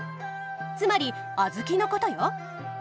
つまり小豆のことよ。